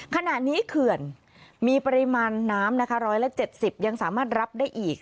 ขณะนี้เขื่อนมีปริมาณน้ำนะคะ๑๗๐ยังสามารถรับได้อีก